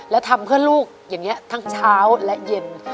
แล้วทำเพื่อลูกอย่างนี้ทั้งเช้าและเย็น